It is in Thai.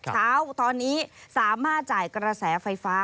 เช้าตอนนี้สามารถจ่ายกระแสไฟฟ้า